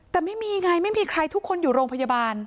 แต่ไม่มีไงไม่มีใครทุกคนอยู่โรงพยาบาล